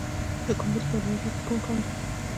د کندز په علي اباد کې کوم کان دی؟